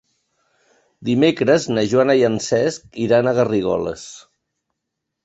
Dimecres na Joana i en Cesc iran a Garrigoles.